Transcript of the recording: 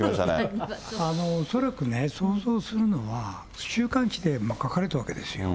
恐らくね、想像するのは、週刊誌で書かれたわけですよ。